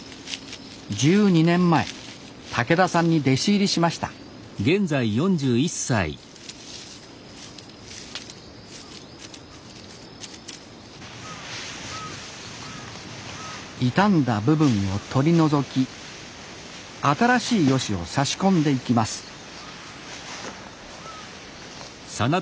１２年前竹田さんに弟子入りしました傷んだ部分を取り除き新しいヨシを差し込んでいきますえ？